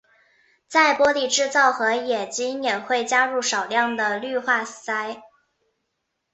在玻璃制造和冶金也会加入少量的氯化锶。